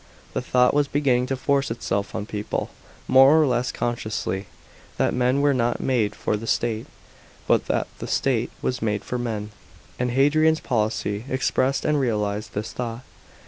The thought was beginning to force itself on people, more or less consciously, that men were not made for the state, but that the state was made for men ; and Hadrian's policy expressed and realised this thought.